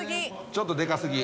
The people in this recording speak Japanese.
ちょっとデカすぎ。